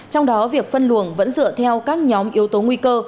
trong đó việc phân luồng vẫn dựa theo các nhóm yếu tố nguy cơ